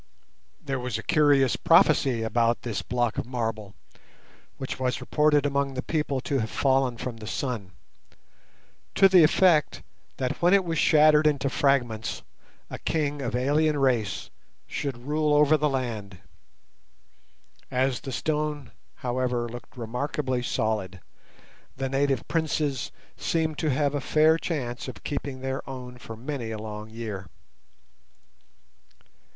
There was a curious prophecy about this block of marble, which was reported among the people to have fallen from the sun, to the effect that when it was shattered into fragments a king of alien race should rule over the land. As the stone, however, looked remarkably solid, the native princes seemed to have a fair chance of keeping their own for many a long year.